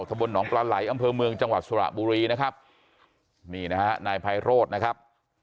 บนหนองปลาไหลอำเภอเมืองจังหวัดสระบุรีนะครับนี่นะฮะนายไพโรธนะครับ